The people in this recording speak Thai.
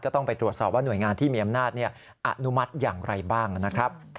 ต้องไปตรวจสอบว่าหน่วยงานที่มีอำนาจอนุมัติอย่างไรบ้างนะครับ